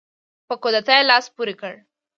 په کودتا یې لاس پورې کړ.